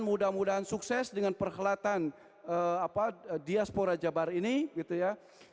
mudah mudahan sukses dengan perhelatan diaspora jabar ini gitu ya